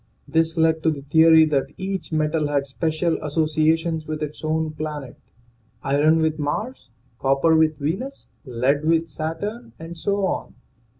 This led to the theory that each metal had special associations with its own planet iron with Mars, copper with Venus, lead with Saturn, and so on.